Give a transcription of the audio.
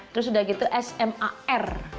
terus sudah gitu s m a r